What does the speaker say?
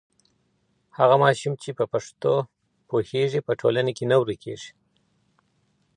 هغه ماشوم چې په پښتو پوهېږي په ټولنه کي نه ورکيږي.